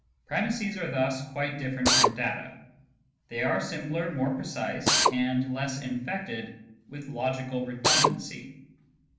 Premisses are thus quite different from data — they are simpler, more precise, and less infected with logical redundancy.